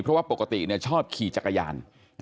เพราะว่าปกติชอบขี่จักรยาน